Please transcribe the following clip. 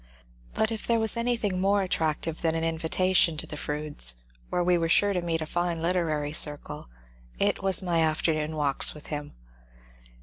But if there was anything more attractive than an invita tion to the Frondes', where we were sure to meet a fine liter ary circle, it was my afternoon walks with him.